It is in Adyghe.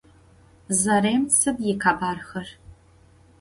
Zarêm sıd ıkhebarxer?